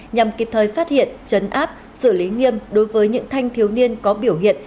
nhằm kịp thời phát hiện chấn áp xử lý nghiêm đối với những thanh thiếu niên có biểu hiện